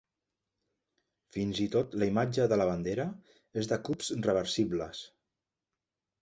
Fins i tot la imatge de la bandera és de cubs reversibles.